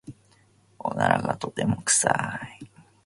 おならがとても臭い。